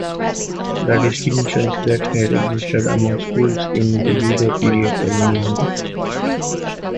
The distinctions that had existed among schools in the Edo period were minimized.